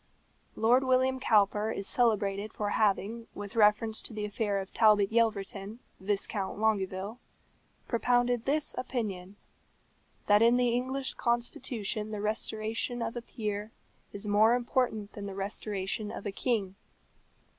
Lord William Cowper is celebrated for having, with reference to the affair of Talbot Yelverton, Viscount Longueville, propounded this opinion: That in the English constitution the restoration of a peer is more important than the restoration of a king.